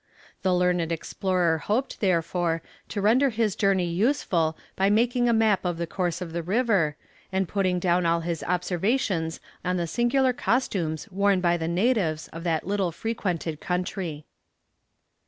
The learned explorer hoped, therefore, to render his journey useful by making a map of the course of the river, and putting down all his observations on the singular costumes worn by the natives of that little frequented country.